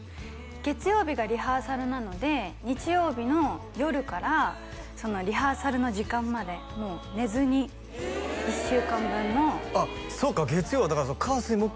月曜日がリハーサルなので日曜日の夜からそのリハーサルの時間までもう寝ずに１週間分のあっそうか月曜はだから火水木